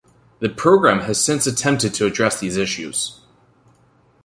The programme has since attempted to address these issues.